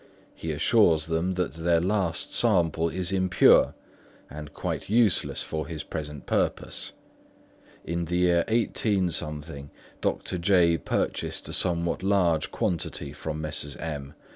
He assures them that their last sample is impure and quite useless for his present purpose. In the year 18—, Dr. J. purchased a somewhat large quantity from Messrs. M.